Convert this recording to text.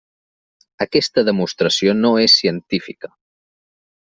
Aquesta demostració no és científica.